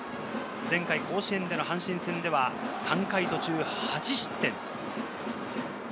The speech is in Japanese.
前回、甲子園での阪神戦では、３回途中８失点。